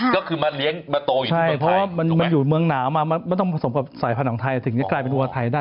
ก็คือมาเลี้ยงมาโตอยู่ใช่เพราะว่ามันอยู่เมืองหนาวมามันต้องผสมกับสายพันธุ์ของไทยถึงจะกลายเป็นวัวไทยได้